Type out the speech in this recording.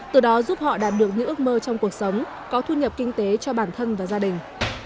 từ đó giúp họ đạt được những ước mơ trong cuộc sống có thu nhập kinh tế cho bản thân và gia đình